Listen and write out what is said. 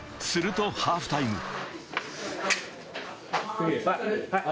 するとハーフタイム。